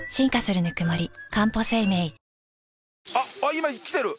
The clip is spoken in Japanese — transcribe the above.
今来てる！